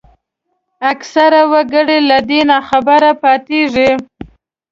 اکثره وګړي له دې ناخبره پاتېږي